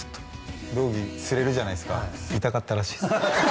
道着擦れるじゃないっすか痛かったらしいっすよ